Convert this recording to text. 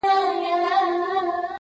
پر تسپو پر عبادت پر خیراتونو،